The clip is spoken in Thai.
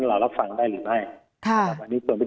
เราได้รับฟังได้หรือไม่ค่ะส่วนไปดีหนึ่งนะครับ